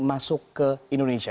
masuk ke indonesia